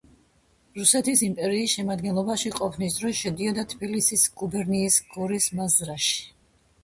რუსეთის იმპერიის შემადგენლობაში ყოფნის დროს შედიოდა თბილისის გუბერნიის გორის მაზრაში.